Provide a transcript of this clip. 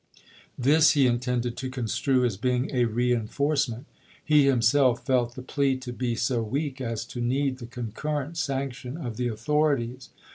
This he intended to construe as being a reenforce ment. He himself felt the plea to be so weak as to need the concurrent sanction of the authorities.